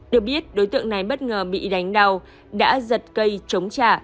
được biết đối tượng này bất ngờ bị đánh đau đã giật cây chống trả